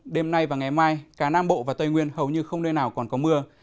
đêm nay và ngày mai cả nam bộ và tây nguyên hầu như không nơi nào còn có mưa